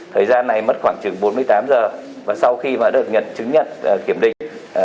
thời gian này mất khoảng bốn mươi tám giờ và sau khi được chứng nhận kiểm định